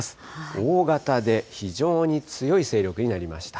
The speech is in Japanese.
大型で非常に強い勢力になりました。